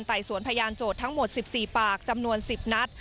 สวนพยานโจทย์ทั้งหมด๑๔ปากจำนวน๑๐นัด